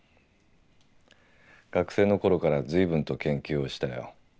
学生の頃から随分と研究をしたよ。